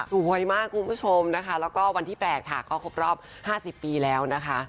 สวยมากคุณผู้ชมนะคะแล้วก็วันที่๘ค่ะก็ครบรอบ๕๐ปีแล้วนะคะ